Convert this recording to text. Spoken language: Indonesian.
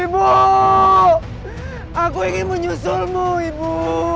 ibu aku ingin menyusulmu ibu